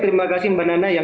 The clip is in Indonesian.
terima kasih sendiri